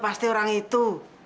pasti orang itu